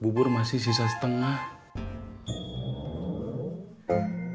bubur masih sisa setengah